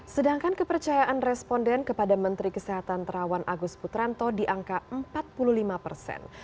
sedangkan kepercayaan responden kepada menteri kesehatan terawan agus putranto di angka empat puluh lima persen